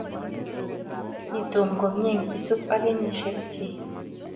mi Tom komyee ngisub ak kenyisheck chii